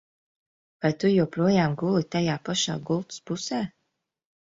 Vai tu joprojām guli tajā pašā gultas pusē?